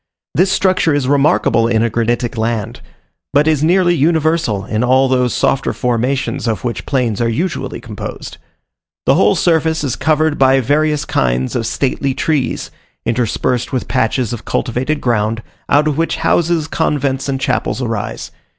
This structure is remarkable in a granitic land, but is nearly universal in all those softer formations of which plains are usually composed. The whole surface is covered by various kinds of stately trees, interspersed with patches of cultivated ground, out of which houses, convents, and chapels arise.